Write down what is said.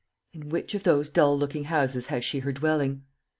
In which of those dull looking houses has she her dwelling?